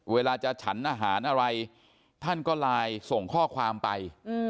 เวลาจะฉันอาหารอะไรท่านก็ไลน์ส่งข้อความไป